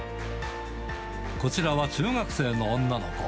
こちらは中学生の女の子。